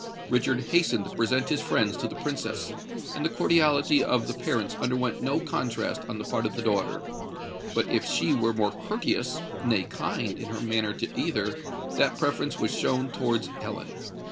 Richard hastened to present his friends to the Princess; and the cordiality of the parents underwent no contrast on the part of the daughter;—but if she were more courteous—nay, kind—in her manner to either, that preference was shown towards Ellen.